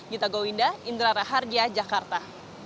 gita gowinda indra raharja jakarta